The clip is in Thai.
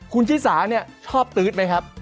คุณชิสาเนี่ยชอบตื๊ดไหมครับ